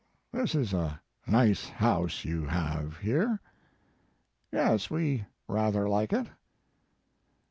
"This is a nice house you have here? " "Yes, we rather like it."